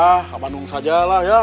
ah ke bandung saja lah ya